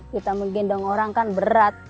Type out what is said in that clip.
kita menggendong orang kan berat